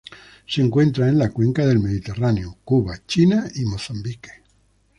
Se encuentra en la cuenca del Mediterráneo, Cuba, China y Mozambique.